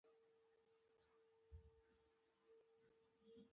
مونږ ټولو افغانان خپل ازلي دښمن پېژنو